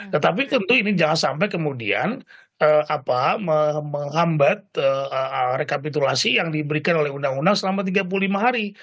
tetapi tentu ini jangan sampai kemudian menghambat rekapitulasi yang diberikan oleh undang undang selama tiga puluh lima hari